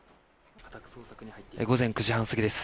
午前９時半過ぎです。